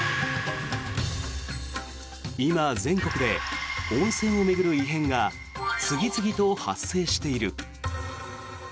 今、全国で温泉を巡る異変が次々と発生している。